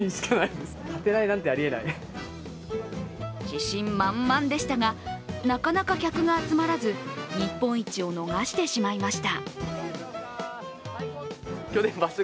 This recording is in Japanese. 去年、この店を取材したときにも自信満々でしたがなかなか客が集まらず日本一を逃してしまいました。